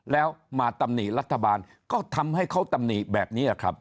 แล้วมาตำหนิรัฐบาลก็ทำให้เขาตำหนิแบบนี้ครับ